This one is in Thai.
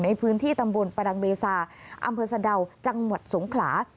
ในพื้นที่ตำบลประดังเบซาอำเภอสะดาวจังหวัดสงขลา